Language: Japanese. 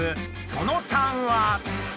その３は。